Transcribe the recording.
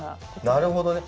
なるほどね。